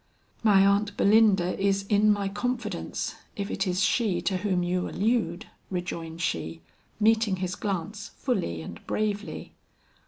"My Aunt Belinda is in my confidence, if it is she to whom you allude," rejoined she, meeting his glance fully and bravely.